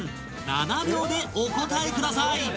７秒でお答えください！